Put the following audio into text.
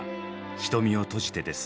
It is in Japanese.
「瞳をとじて」です。